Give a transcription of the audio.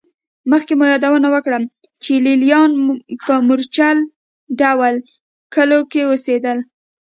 مخکې مو یادونه وکړه چې لېلیان په مورچل ډوله کلیو کې اوسېدل